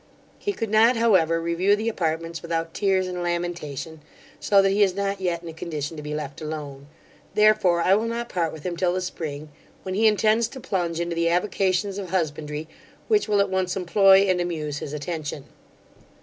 He could not, however, review the apartments without tears and lamentation, so that he is not yet in a condition to be left alone; therefore I will not part with him till the spring, when he intends to plunge into the avocations of husbandry, which will at once employ and amuse his attention.